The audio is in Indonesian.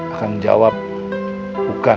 akang jawab bukan